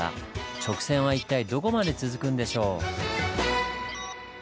直線は一体どこまで続くんでしょう？